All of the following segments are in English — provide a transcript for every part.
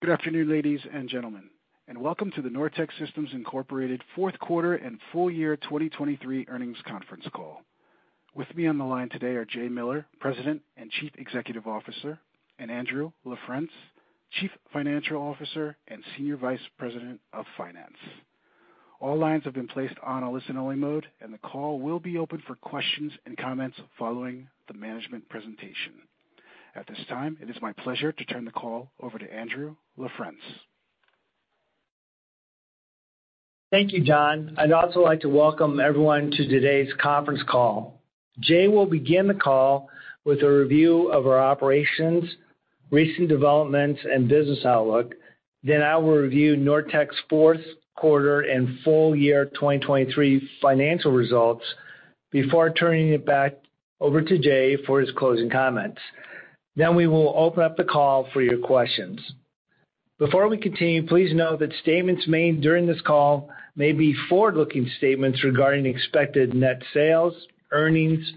Good afternoon, ladies and gentlemen, and welcome to the Nortech Systems Incorporated Fourth Quarter and Full Year 2023 Earnings Conference Call. With me on the line today are Jay Miller, President and Chief Executive Officer, and Andrew LaFrence, Chief Financial Officer and Senior Vice President of Finance. All lines have been placed on a listen-only mode, and the call will be open for questions and comments following the management presentation. At this time, it is my pleasure to turn the call over to Andrew LaFrence. Thank you, John. I'd also like to welcome everyone to today's conference call. Jay will begin the call with a review of our operations, recent developments, and business outlook. Then I will review Nortech Systems' fourth quarter and full year 2023 financial results before turning it back over to Jay for his closing comments. Then we will open up the call for your questions. Before we continue, please note that statements made during this call may be forward-looking statements regarding expected net sales, earnings,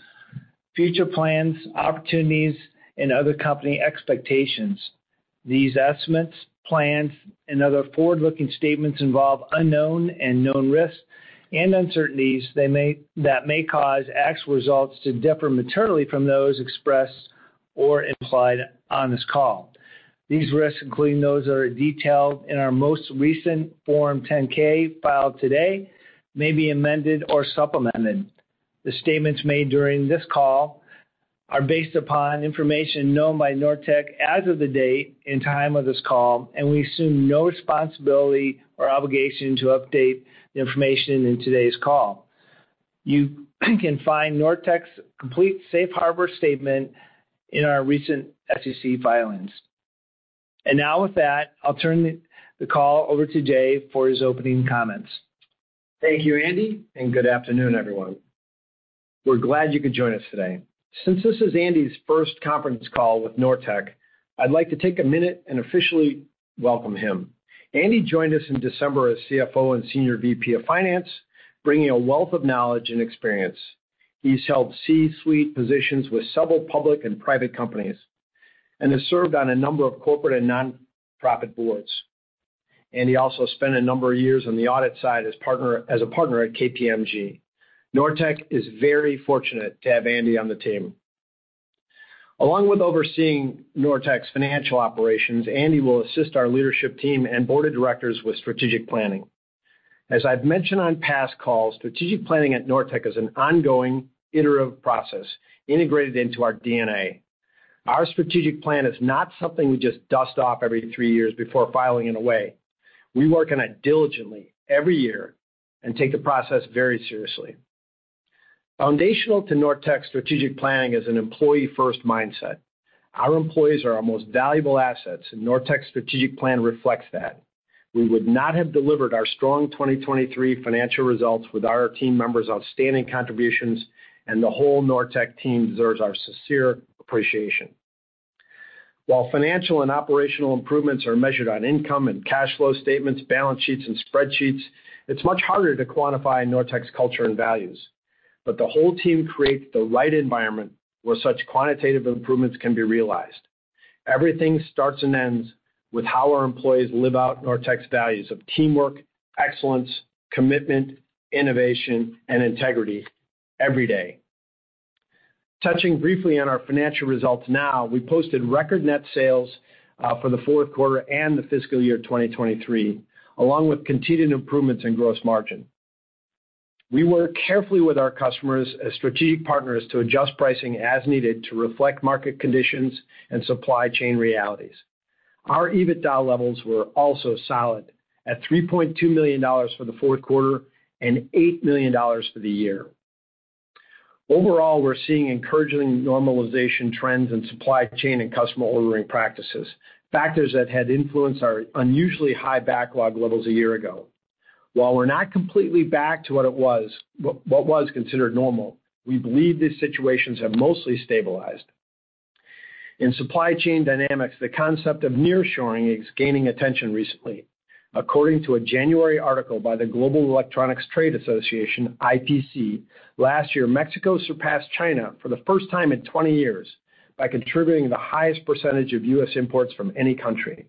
future plans, opportunities, and other company expectations. These estimates, plans, and other forward-looking statements involve unknown and known risks and uncertainties that may cause actual results to differ materially from those expressed or implied on this call. These risks, including those that are detailed in our most recent Form 10-K filed today, may be amended or supplemented. The statements made during this call are based upon information known by Nortech as of the date and time of this call, and we assume no responsibility or obligation to update the information in today's call. You can find Nortech's complete Safe Harbor Statement in our recent SEC filings. And now, with that, I'll turn the call over to Jay for his opening comments. Thank you, Andy, and good afternoon, everyone. We're glad you could join us today. Since this is Andy's first conference call with Nortech, I'd like to take a minute and officially welcome him. Andy joined us in December as CFO and Senior VP of Finance, bringing a wealth of knowledge and experience. He's held C-suite positions with several public and private companies and has served on a number of corporate and nonprofit boards, and he also spent a number of years on the audit side as a partner at KPMG. Nortech is very fortunate to have Andy on the team. Along with overseeing Nortech's financial operations, Andy will assist our leadership team and board of directors with strategic planning. As I've mentioned on past calls, strategic planning at Nortech is an ongoing, iterative process integrated into our DNA. Our strategic plan is not something we just dust off every three years before filing it away. We work on it diligently every year and take the process very seriously. Foundational to Nortech's strategic planning is an employee-first mindset. Our employees are our most valuable assets, and Nortech's strategic plan reflects that. We would not have delivered our strong 2023 financial results without our team members' outstanding contributions, and the whole Nortech team deserves our sincere appreciation. While financial and operational improvements are measured on income and cash flow statements, balance sheets, and spreadsheets, it's much harder to quantify Nortech's culture and values. The whole team creates the right environment where such quantitative improvements can be realized. Everything starts and ends with how our employees live out Nortech's values of teamwork, excellence, commitment, innovation, and integrity every day. Touching briefly on our financial results now, we posted record net sales for the fourth quarter and the fiscal year 2023, along with continued improvements in gross margin. We work carefully with our customers as strategic partners to adjust pricing as needed to reflect market conditions and supply chain realities. Our EBITDA levels were also solid, at $3.2 million for the fourth quarter and $8 million for the year. Overall, we're seeing encouraging normalization trends in supply chain and customer ordering practices, factors that had influenced our unusually high backlog levels a year ago. While we're not completely back to what was considered normal, we believe these situations have mostly stabilized. In supply chain dynamics, the concept of nearshoring is gaining attention recently. According to a January article by IPC, the Global Electronics Association, last year, Mexico surpassed China for the first time in 20 years by contributing the highest percentage of U.S. imports from any country.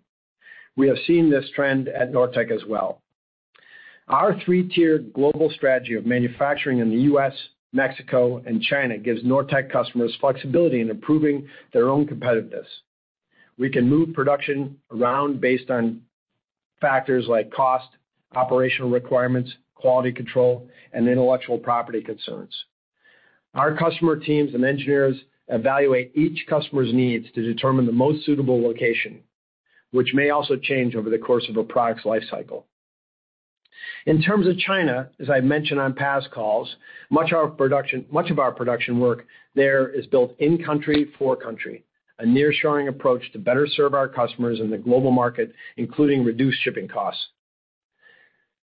We have seen this trend at Nortech as well. Our three-tiered global strategy of manufacturing in the U.S., Mexico, and China gives Nortech customers flexibility in improving their own competitiveness. We can move production around based on factors like cost, operational requirements, quality control, and intellectual property concerns. Our customer teams and engineers evaluate each customer's needs to determine the most suitable location, which may also change over the course of a product's life cycle. In terms of China, as I've mentioned on past calls, much of our production work there is built in country for country, a nearshoring approach to better serve our customers in the global market, including reduced shipping costs.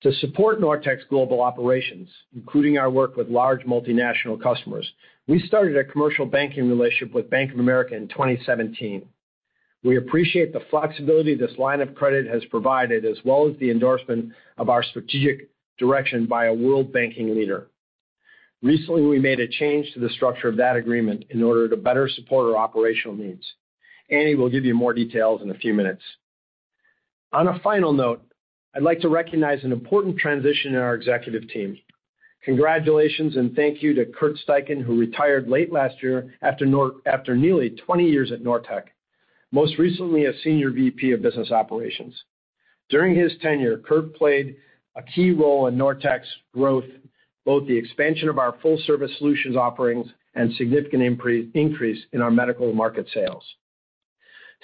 To support Nortech's global operations, including our work with large multinational customers, we started a commercial banking relationship with Bank of America in 2017. We appreciate the flexibility this line of credit has provided, as well as the endorsement of our strategic direction by a world banking leader. Recently, we made a change to the structure of that agreement in order to better support our operational needs. Andy will give you more details in a few minutes. On a final note, I'd like to recognize an important transition in our executive team. Congratulations, and thank you to Kurt Steichen, who retired late last year after nearly 20 years at Nortech, most recently as Senior VP of Business Operations. During his tenure, Kurt played a key role in Nortech's growth, both the expansion of our full service solutions offerings and significant increase in our medical market sales.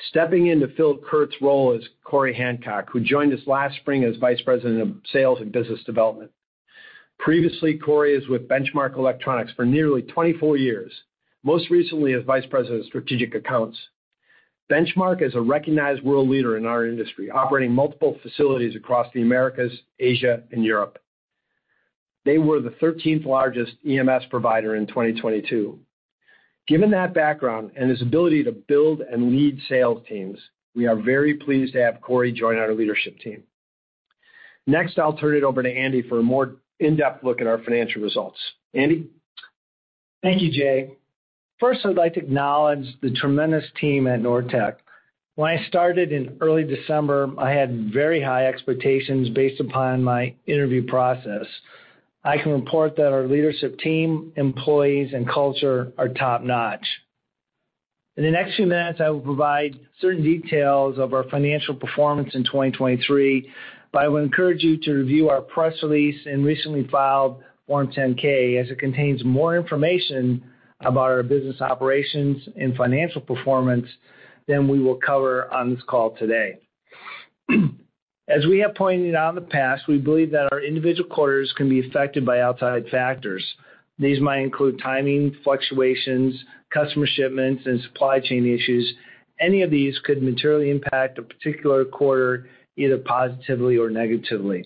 Stepping in to fill Kurt's role is Corey Hancock, who joined us last spring as Vice President of Sales and Business Development. Previously, Corey is with Benchmark Electronics for nearly 24 years, most recently as Vice President of Strategic Accounts. Benchmark is a recognized world leader in our industry, operating multiple facilities across the Americas, Asia, and Europe. They were the thirteenth-largest EMS provider in 2022. Given that background and his ability to build and lead sales teams, we are very pleased to have Corey join our leadership team. Next, I'll turn it over to Andy for a more in-depth look at our financial results. Andy? Thank you, Jay. First, I'd like to acknowledge the tremendous team at Nortech. When I started in early December, I had very high expectations based upon my interview process. I can report that our leadership team, employees, and culture are top-notch. In the next few minutes, I will provide certain details of our financial performance in 2023, but I would encourage you to review our press release and recently filed Form 10-K, as it contains more information about our business operations and financial performance than we will cover on this call today. As we have pointed out in the past, we believe that our individual quarters can be affected by outside factors. These might include timing, fluctuations, customer shipments, and supply chain issues. Any of these could materially impact a particular quarter, either positively or negatively.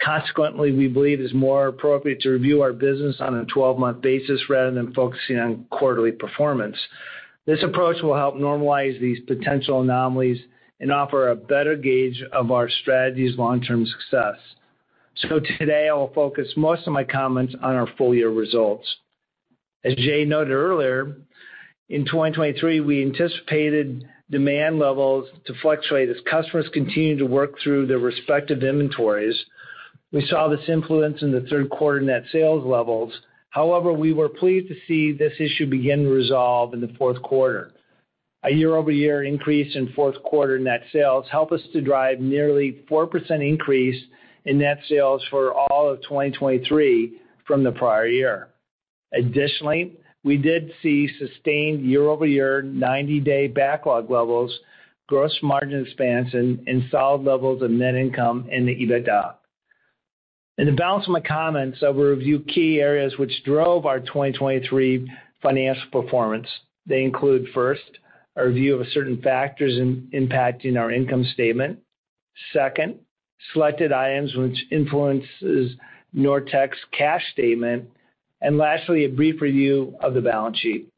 Consequently, we believe it's more appropriate to review our business on a 12-month basis rather than focusing on quarterly performance. This approach will help normalize these potential anomalies and offer a better gauge of our strategy's long-term success. So today, I will focus most of my comments on our full-year results. As Jay noted earlier, in 2023, we anticipated demand levels to fluctuate as customers continued to work through their respective inventories. We saw this influence in the third quarter net sales levels. However, we were pleased to see this issue begin to resolve in the fourth quarter. A year-over-year increase in fourth quarter net sales helped us to drive nearly 4% increase in net sales for all of 2023 from the prior year. Additionally, we did see sustained year-over-year, 90-day backlog levels, gross margin expansion, and solid levels of net income in the EBITDA. In the balance of my comments, I will review key areas which drove our 2023 financial performance. They include, first, a review of certain factors impacting our income statement. Second, selected items which influences Nortech's cash statement, and lastly, a brief review of the balance sheet.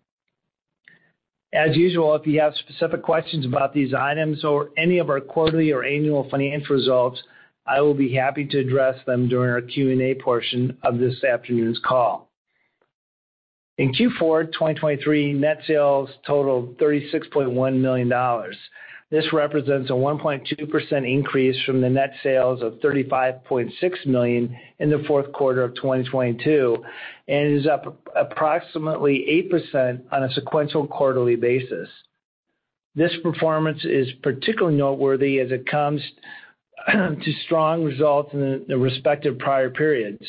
As usual, if you have specific questions about these items or any of our quarterly or annual finance results, I will be happy to address them during our Q&A portion of this afternoon's call. In Q4 2023, net sales totaled $36.1 million. This represents a 1.2% increase from the net sales of $35.6 million in the fourth quarter of 2022, and is up approximately 8% on a sequential quarterly basis. This performance is particularly noteworthy as it comes to strong results in the respective prior periods.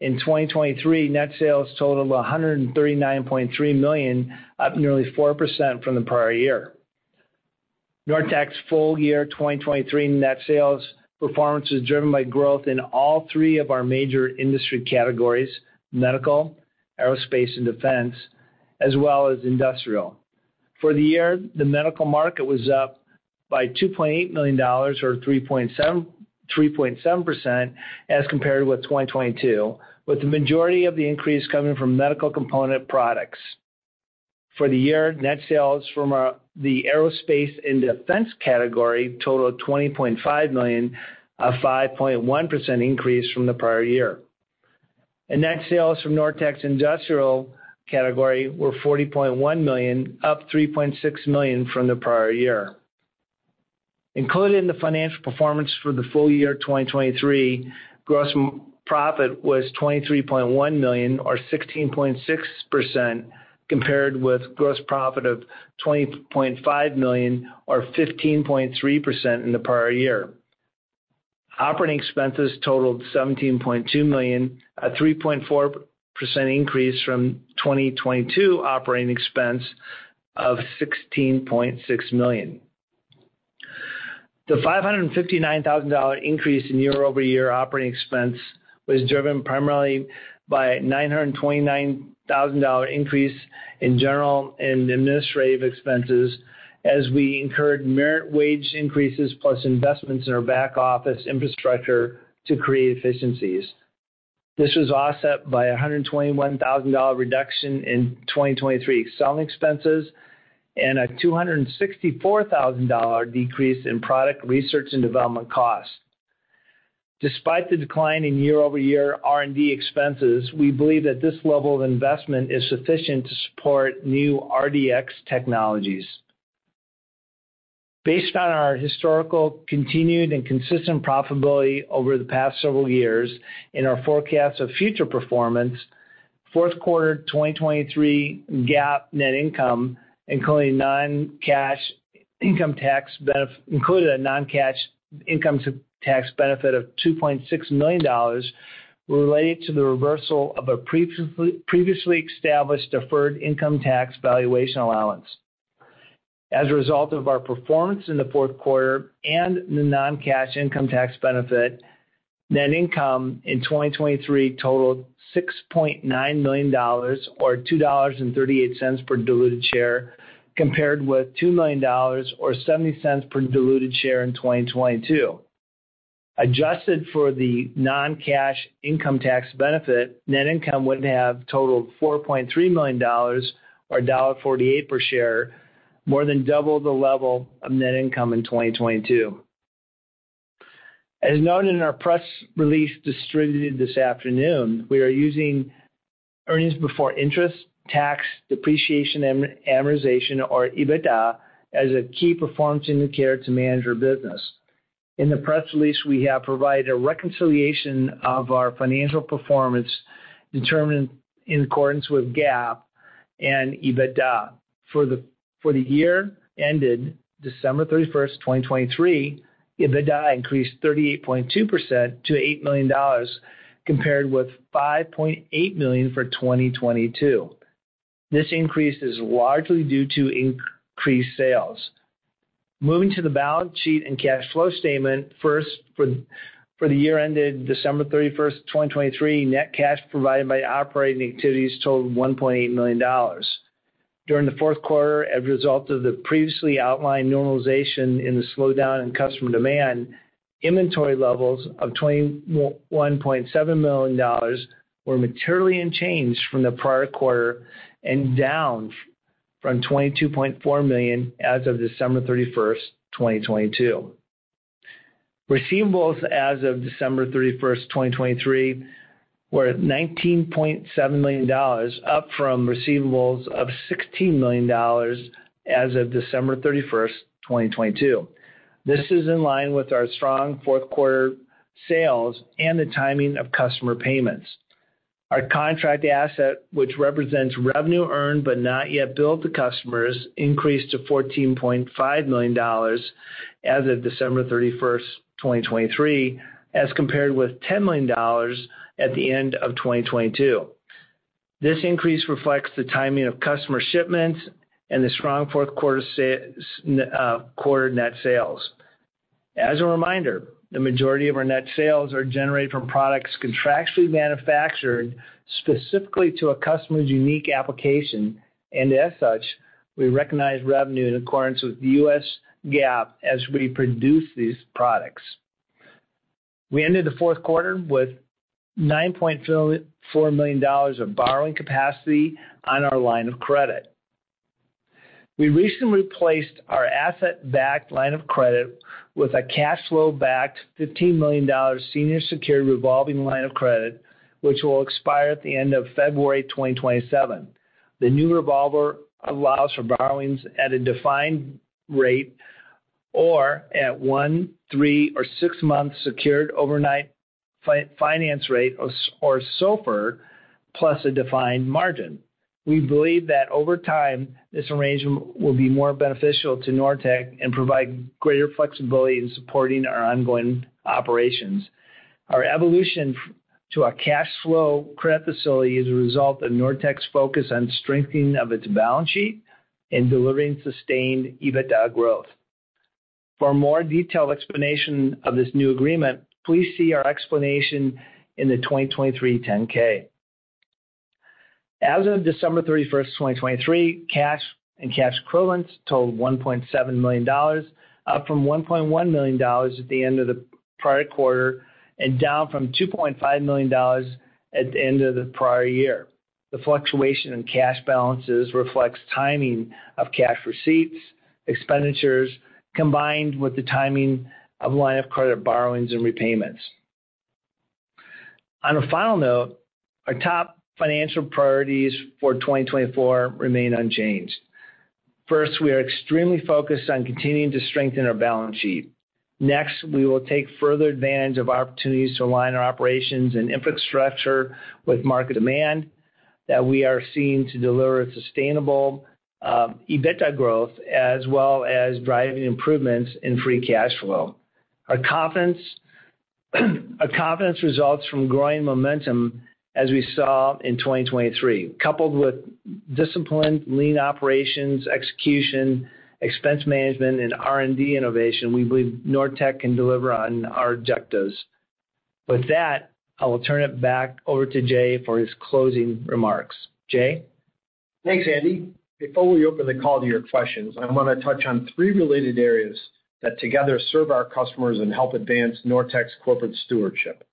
In 2023, net sales totaled $139.3 million, up nearly 4% from the prior year. Nortech's full year 2023 net sales performance is driven by growth in all three of our major industry categories, medical, aerospace, and defense, as well as industrial. For the year, the medical market was up by $2.8 million or 3.7, 3.7% as compared with 2022, with the majority of the increase coming from medical component products. For the year, net sales from the aerospace and defense category totaled $20.5 million, a 5.1% increase from the prior year. And net sales from Nortech's industrial category were $40.1 million, up $3.6 million from the prior year. Included in the financial performance for the full year of 2023, gross profit was $23.1 million or 16.6%, compared with gross profit of $20.5 million or 15.3% in the prior year. Operating expenses totaled $17.2 million, a 3.4% increase from 2022 operating expense of $16.6 million. The $559,000 increase in year-over-year operating expense was driven primarily by $929,000 increase in general and administrative expenses, as we incurred merit wage increases, plus investments in our back-office infrastructure to create efficiencies. This was offset by a $121,000 reduction in 2023 selling expenses, and a $264,000 decrease in product research and development costs. Despite the decline in year-over-year R&D expenses, we believe that this level of investment is sufficient to support new EBX technologies. Based on our historical, continued, and consistent profitability over the past several years and our forecast of future performance, fourth quarter 2023 GAAP net income, including a non-cash income tax benefit of $2.6 million, related to the reversal of a previously established deferred income tax valuation allowance. As a result of our performance in the fourth quarter and the non-cash income tax benefit, net income in 2023 totaled $6.9 million, or $2.38 per diluted share, compared with $2 million, or $0.70 per diluted share in 2022. Adjusted for the non-cash income tax benefit, net income would have totaled $4.3 million, or $1.48 per share, more than double the level of net income in 2022. As noted in our press release distributed this afternoon, we are using earnings before interest, tax, depreciation, and amortization, or EBITDA, as a key performance indicator to manage our business. In the press release, we have provided a reconciliation of our financial performance determined in accordance with GAAP and EBITDA. For the year ended December 31, 2023, EBITDA increased 38.2% to $8 million, compared with $5.8 million for 2022. This increase is largely due to increased sales. Moving to the balance sheet and cash flow statement, first, for the year ended December 31, 2023, net cash provided by operating activities totaled $1.8 million. During the fourth quarter, as a result of the previously outlined normalization in the slowdown in customer demand, inventory levels of $21.7 million were materially unchanged from the prior quarter and down from $22.4 million as of December 31, 2022. Receivables as of December 31, 2023, were at $19.7 million, up from receivables of $16 million as of December 31, 2022. This is in line with our strong fourth quarter sales and the timing of customer payments. Our contract asset, which represents revenue earned but not yet billed to customers, increased to $14.5 million as of December 31, 2023, as compared with $10 million at the end of 2022. This increase reflects the timing of customer shipments and the strong fourth quarter net sales. As a reminder, the majority of our net sales are generated from products contractually manufactured specifically to a customer's unique application, and as such, we recognize revenue in accordance with the U.S. GAAP as we produce these products. We ended the fourth quarter with $9.4 million of borrowing capacity on our line of credit. We recently replaced our asset-backed line of credit with a cash flow-backed $15 million senior secured revolving line of credit, which will expire at the end of February 2027. The new revolver allows for borrowings at a defined rate or at 1, 3, or 6 months secured overnight financing rate, or SOFR, plus a defined margin. We believe that over time, this arrangement will be more beneficial to Nortech and provide greater flexibility in supporting our ongoing operations. Our evolution to a cash flow credit facility is a result of Nortech's focus on strengthening of its balance sheet and delivering sustained EBITDA growth. For a more detailed explanation of this new agreement, please see our explanation in the 2023 10-K. As of December 31st, 2023, cash and cash equivalents totaled $1.7 million, up from $1.1 million at the end of the prior quarter, and down from $2.5 million at the end of the prior year. The fluctuation in cash balances reflects timing of cash receipts, expenditures, combined with the timing of line of credit borrowings and repayments. On a final note, our top financial priorities for 2024 remain unchanged. First, we are extremely focused on continuing to strengthen our balance sheet. Next, we will take further advantage of opportunities to align our operations and infrastructure with market demand that we are seeing to deliver sustainable EBITDA growth, as well as driving improvements in free cash flow. Our confidence, our confidence results from growing momentum, as we saw in 2023. Coupled with disciplined lean operations, execution, expense management, and R&D innovation, we believe Nortech can deliver on our objectives. With that, I will turn it back over to Jay for his closing remarks. Jay? Thanks, Andy. Before we open the call to your questions, I want to touch on three related areas that together serve our customers and help advance Nortech's corporate stewardship: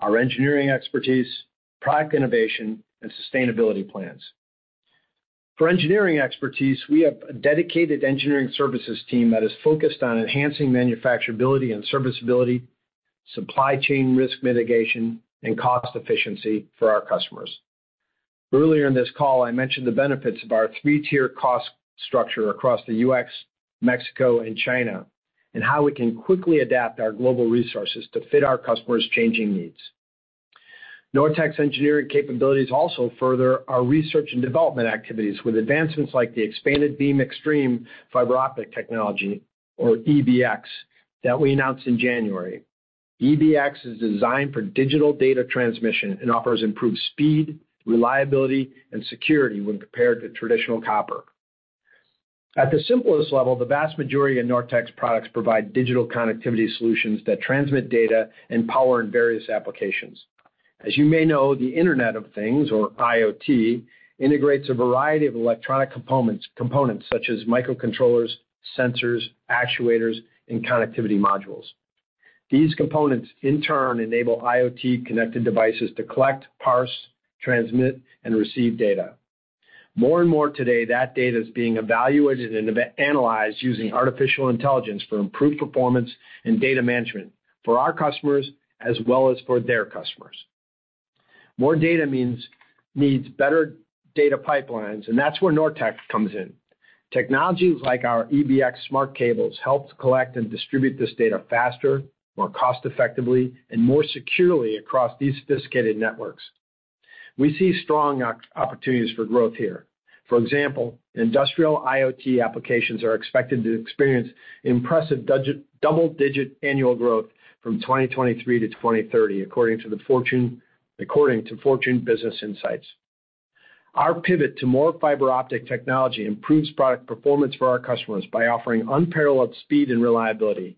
our engineering expertise, product innovation, and sustainability plans. For engineering expertise, we have a dedicated engineering services team that is focused on enhancing manufacturability and serviceability, supply chain risk mitigation, and cost efficiency for our customers. Earlier in this call, I mentioned the benefits of our three-tier cost structure across the U.S., Mexico, and China, and how we can quickly adapt our global resources to fit our customers' changing needs. Nortech's engineering capabilities also further our research and development activities, with advancements like the Expanded Beam Xtreme fiber optic technology, or EBX, that we announced in January. EBX is designed for digital data transmission and offers improved speed, reliability, and security when compared to traditional copper. At the simplest level, the vast majority of Nortech's products provide digital connectivity solutions that transmit data and power in various applications. As you may know, the Internet of Things, or IoT, integrates a variety of electronic components, components such as microcontrollers, sensors, actuators, and connectivity modules. These components, in turn, enable IoT-connected devices to collect, parse, transmit, and receive data. More and more today, that data is being evaluated and analyzed using artificial intelligence for improved performance and data management for our customers, as well as for their customers. More data needs better data pipelines, and that's where Nortech comes in. Technologies like our EBX smart cables help to collect and distribute this data faster, more cost-effectively, and more securely across these sophisticated networks. We see strong opportunities for growth here. For example, industrial IoT applications are expected to experience impressive double-digit annual growth from 2023 to 2030, according to Fortune Business Insights. Our pivot to more fiber optic technology improves product performance for our customers by offering unparalleled speed and reliability.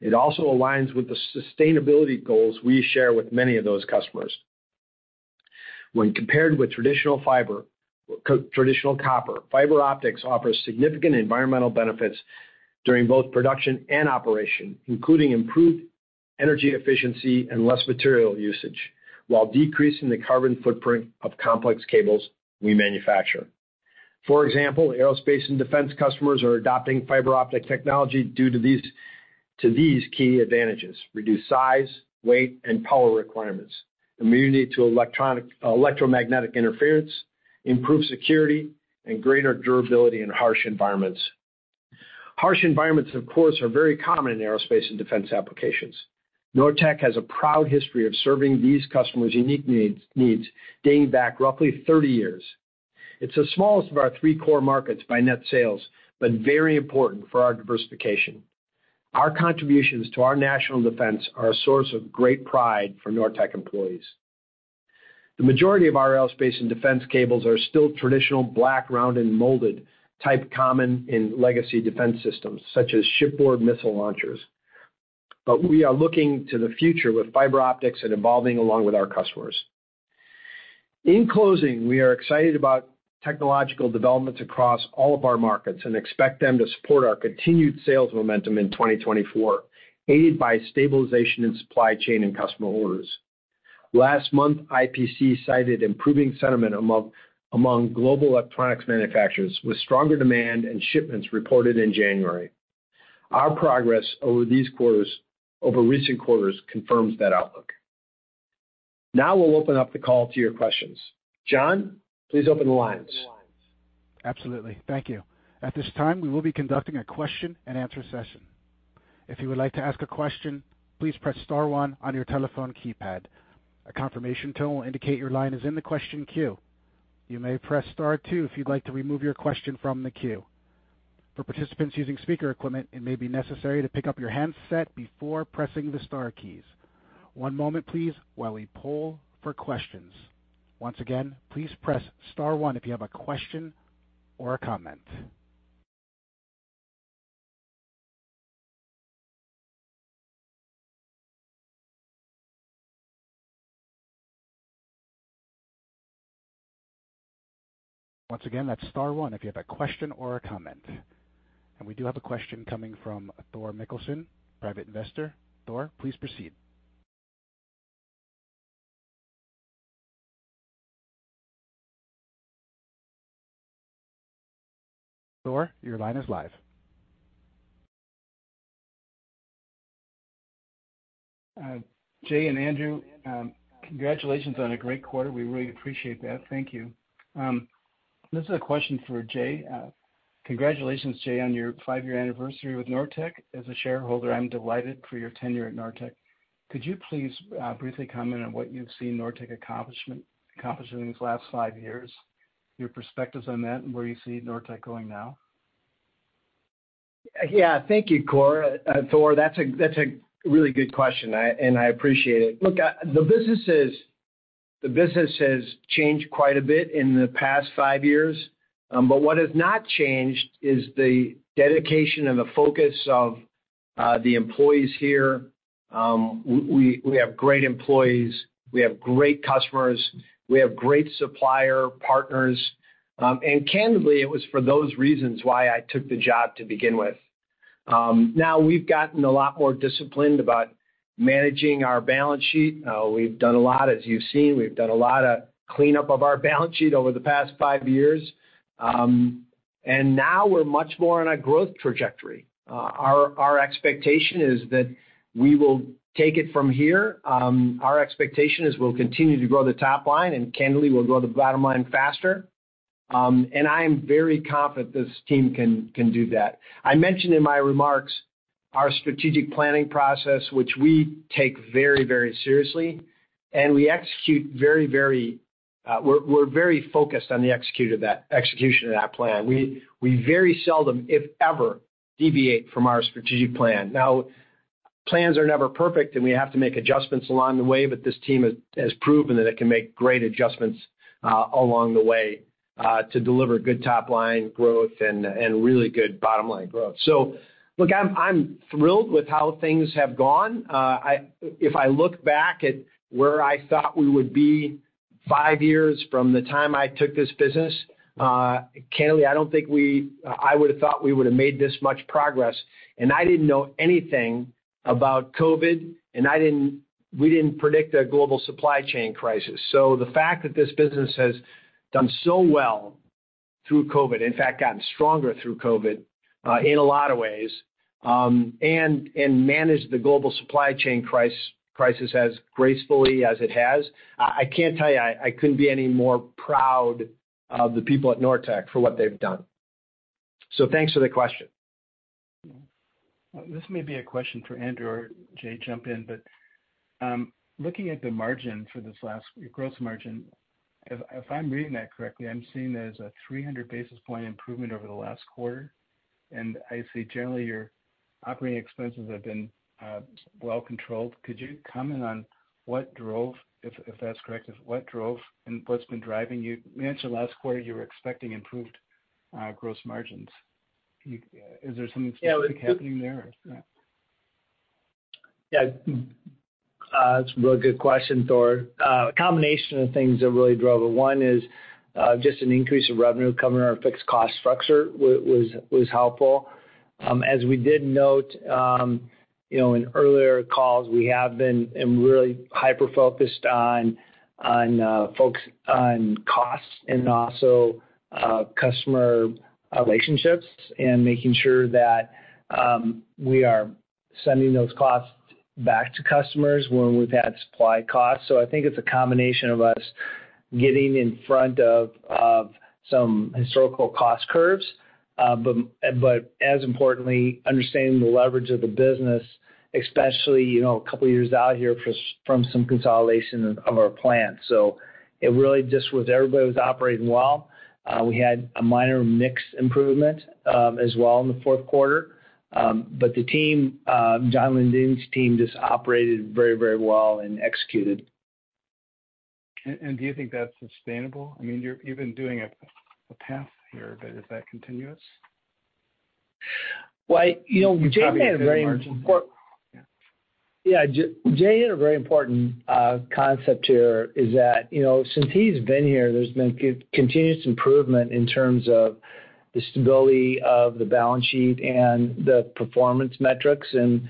It also aligns with the sustainability goals we share with many of those customers. When compared with traditional copper, fiber optics offers significant environmental benefits during both production and operation, including improved energy efficiency and less material usage, while decreasing the carbon footprint of complex cables we manufacture. For example, aerospace and defense customers are adopting fiber optic technology due to these key advantages: reduced size, weight, and power requirements, immunity to electromagnetic interference, improved security, and greater durability in harsh environments. Harsh environments, of course, are very common in aerospace and defense applications. Nortech has a proud history of serving these customers' unique needs, needs dating back roughly 30 years. It's the smallest of our three core markets by net sales, but very important for our diversification. Our contributions to our national defense are a source of great pride for Nortech employees. The majority of our aerospace and defense cables are still traditional black, round, and molded type, common in legacy defense systems, such as shipboard missile launchers. But we are looking to the future with fiber optics and evolving along with our customers. In closing, we are excited about technological developments across all of our markets and expect them to support our continued sales momentum in 2024, aided by stabilization in supply chain and customer orders. Last month, IPC cited improving sentiment among global electronics manufacturers, with stronger demand and shipments reported in January. Our progress over these quarters, over recent quarters, confirms that outlook. Now we'll open up the call to your questions. John, please open the lines. Absolutely. Thank you. At this time, we will be conducting a question-and-answer session. If you would like to ask a question, please press star one on your telephone keypad. A confirmation tone will indicate your line is in the question queue. You may press star two if you'd like to remove your question from the queue. For participants using speaker equipment, it may be necessary to pick up your handset before pressing the star keys. One moment please while we poll for questions. Once again, please press star one if you have a question or a comment. Once again, that's star one if you have a question or a comment. And we do have a question coming from Thor Mickelson, private investor. Thor, please proceed. Thor, your line is live. Jay and Andrew, congratulations on a great quarter. We really appreciate that. Thank you. This is a question for Jay. Congratulations, Jay, on your five-year anniversary with Nortech. As a shareholder, I'm delighted for your tenure at Nortech. Could you please briefly comment on what you've seen Nortech accomplish during these last five years, your perspectives on that, and where you see Nortech going now? Yeah. Thank you, Thor. That's a really good question, and I appreciate it. Look, the business has changed quite a bit in the past five years, but what has not changed is the dedication and the focus of the employees here. We have great employees, we have great customers, we have great supplier partners, and candidly, it was for those reasons why I took the job to begin with. Now we've gotten a lot more disciplined about managing our balance sheet. We've done a lot, as you've seen, we've done a lot of cleanup of our balance sheet over the past five years. And now we're much more on a growth trajectory. Our expectation is that we will take it from here. Our expectation is we'll continue to grow the top line, and candidly, we'll grow the bottom line faster. I'm very confident this team can do that. I mentioned in my remarks our strategic planning process, which we take very, very seriously, and we execute very, very. We're very focused on the execution of that plan. We very seldom, if ever, deviate from our strategic plan. Now, plans are never perfect, and we have to make adjustments along the way, but this team has proven that it can make great adjustments along the way to deliver good top line growth and really good bottom line growth. So look, I'm thrilled with how things have gone. If I look back at where I thought we would be five years from the time I took this business, candidly, I don't think I would've thought we would've made this much progress, and I didn't know anything about COVID, and we didn't predict a global supply chain crisis. So the fact that this business has done so well through COVID, in fact, gotten stronger through COVID, in a lot of ways, and managed the global supply chain crisis as gracefully as it has, I can't tell you, I couldn't be any more proud of the people at Nortech for what they've done. So thanks for the question. This may be a question for Andrew or Jay, jump in, but, looking at the margin, your gross margin, if, if I'm reading that correctly, I'm seeing there's a 300 basis point improvement over the last quarter, and I see generally your operating expenses have been, well controlled. Could you comment on what drove, if, if that's correct, what drove and what's been driving you? You mentioned last quarter you were expecting improved, gross margins. Is there something specific happening there? Yeah, it's a really good question, Thor. A combination of things that really drove it. One is, just an increase of revenue covering our fixed cost structure was helpful. As we did note, you know, in earlier calls, we have been, and really hyper-focused on, on focus on costs and also, customer relationships, and making sure that, we are sending those costs back to customers when we've had supply costs. So I think it's a combination of us getting in front of some historical cost curves, but as importantly, understanding the leverage of the business, especially, you know, a couple of years out here from some consolidation of our plants. So it really just was everybody was operating well. We had a minor mix improvement, as well in the fourth quarter. But the team, John Lundin's team, just operated very, very well and executed. Do you think that's sustainable? I mean, you've been doing it a path here, but is that continuous? Well, you know, Jay made a very important- Yeah. Yeah, Jay hit a very important concept here, is that, you know, since he's been here, there's been continuous improvement in terms of the stability of the balance sheet and the performance metrics. And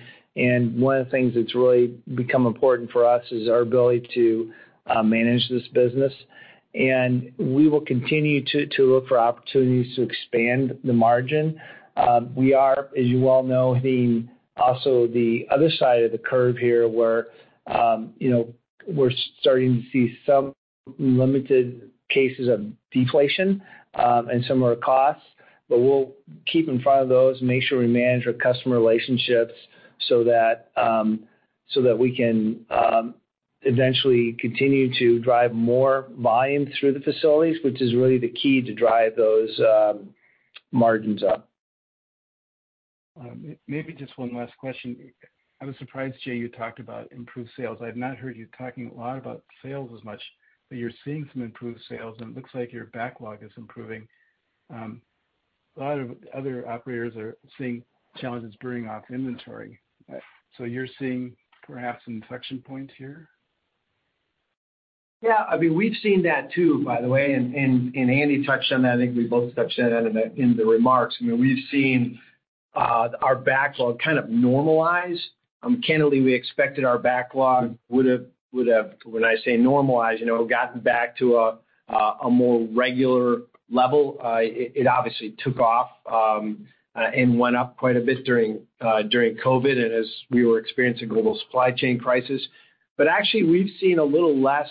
one of the things that's really become important for us is our ability to manage this business. And we will continue to look for opportunities to expand the margin. We are, as you well know, hitting also the other side of the curve here, where, you know, we're starting to see some limited cases of deflation in some of our costs. But we'll keep in front of those and make sure we manage our customer relationships so that we can eventually continue to drive more volume through the facilities, which is really the key to drive those margins up. Maybe just one last question. I was surprised, Jay, you talked about improved sales. I've not heard you talking a lot about sales as much, but you're seeing some improved sales, and it looks like your backlog is improving. A lot of other operators are seeing challenges burning off inventory. You're seeing perhaps an inflection point here? Yeah, I mean, we've seen that too, by the way, and Andy touched on that. I think we both touched on that in the remarks. I mean, we've seen our backlog kind of normalize. Candidly, we expected our backlog would have, when I say normalize, you know, gotten back to a more regular level. It obviously took off and went up quite a bit during COVID and as we were experiencing global supply chain crisis. But actually, we've seen a little less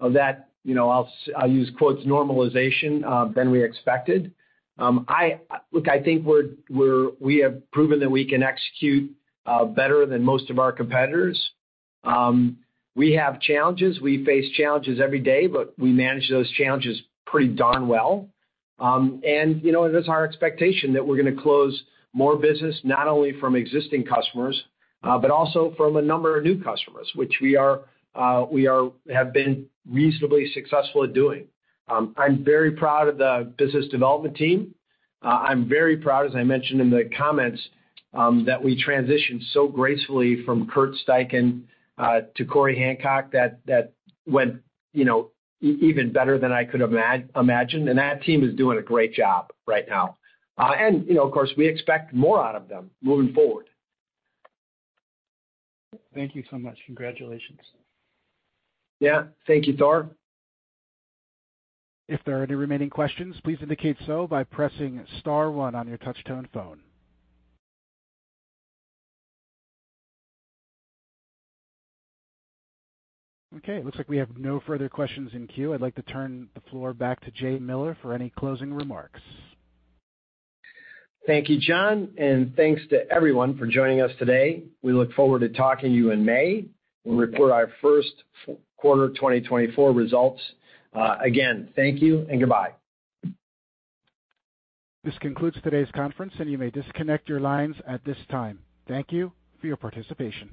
of that, you know, I'll use quotes, "normalization," than we expected. Look, I think we have proven that we can execute better than most of our competitors. We have challenges. We face challenges every day, but we manage those challenges pretty darn well. And, you know, it is our expectation that we're going to close more business, not only from existing customers, but also from a number of new customers, which we have been reasonably successful at doing. I'm very proud of the business development team. I'm very proud, as I mentioned in the comments, that we transitioned so gracefully from Kurt Steichen to Corey Hancock, that went, you know, even better than I could imagine, and that team is doing a great job right now. And, you know, of course, we expect more out of them moving forward. Thank you so much. Congratulations. Yeah. Thank you, Thor. If there are any remaining questions, please indicate so by pressing star one on your touchtone phone. Okay, it looks like we have no further questions in queue. I'd like to turn the floor back to Jay Miller for any closing remarks. Thank you, John, and thanks to everyone for joining us today. We look forward to talking to you in May. We'll report our first quarter of 2024 results. Again, thank you and goodbye. This concludes today's conference, and you may disconnect your lines at this time. Thank you for your participation.